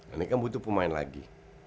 ini kan butuh pemain lagi